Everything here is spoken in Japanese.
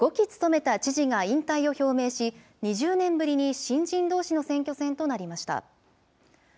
５期務めた知事が引退を表明し、２０年ぶりに新人どうしの選挙戦となりました。